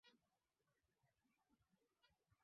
Mnamo mwaka wa elfu moja mia tisa sabini na saba